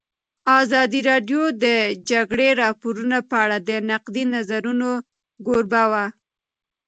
ازادي راډیو د د جګړې راپورونه په اړه د نقدي نظرونو کوربه وه.